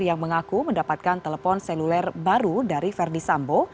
yang mengaku mendapatkan telepon seluler baru dari ferdisambo